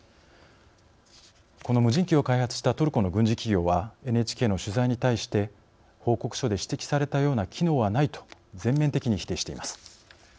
この無人機を開発したトルコの軍事企業はＮＨＫの取材に対して報告書で指摘されたような機能はないと全面的に否定しています。